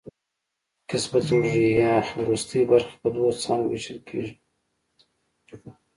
قصبة الریې وروستۍ برخه په دوو څانګو وېشل کېږي.